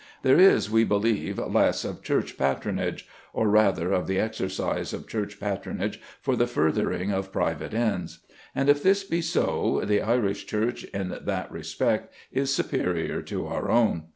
There is, we believe, less of Church patronage, or rather of the exercise of Church patronage for the furthering of private ends; and if this be so, the Irish Church in that respect is superior to our own.